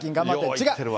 違う。